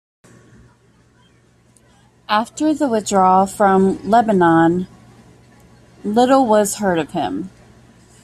After the withdrawal from Lebanon little was heard of him.